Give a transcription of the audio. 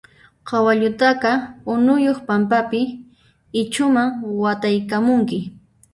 Kawallutaqa unuyuq pampapi ichhuman wataykamunki.